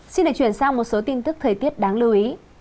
xin được chuyển sang một số tin tức thời tiết đáng lưu ý